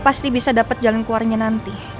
pasti bisa dapat jalan keluarnya nanti